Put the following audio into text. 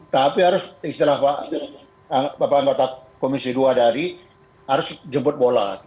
tapi harus istilah bapak anggota komisi dua dari harus jemput bola